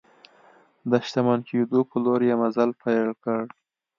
د شتمن کېدو په لور یې مزل پیل کړ.